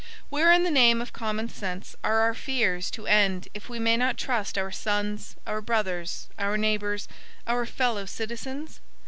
Where in the name of common sense, are our fears to end if we may not trust our sons, our brothers, our neighbors, our fellow citizens?